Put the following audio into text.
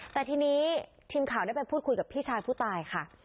แต่ทีนี้ทีมข่าวได้ไปพูดคุยกับพี่ชายผู้ตายค่ะ